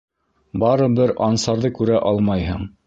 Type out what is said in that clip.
Барыбер Ансарҙы күрә алмайһың.